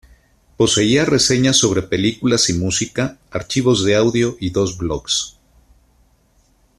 Poseía reseñas sobre películas y música, archivos de audio y dos "blogs".